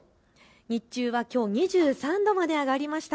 日中はきょう２３度まで上がりました。